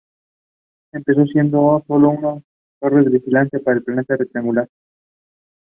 Empezó siendo sólo una torre de vigilancia de planta rectangular.